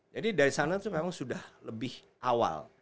jadi dari sana itu memang sudah lebih awal